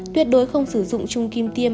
tuyệt đối không sử dụng chung kim tiêm